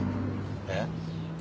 えっ？